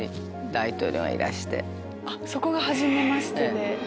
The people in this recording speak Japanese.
そこがはじめましてで。